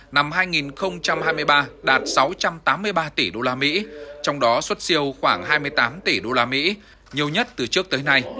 năm hai nghìn hai mươi ba đạt sáu trăm tám mươi ba tỷ usd trong đó xuất siêu khoảng hai mươi tám tỷ usd nhiều nhất từ trước tới nay